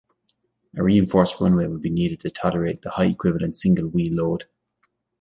A reinforced runway will be needed to tolerate the high equivalent single wheel load.